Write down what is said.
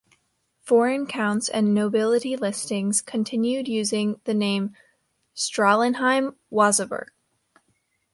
Foreign counts and nobility listings continued using the name Stralenheim-Wasaburg.